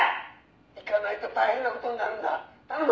「行かないと大変な事になるんだ。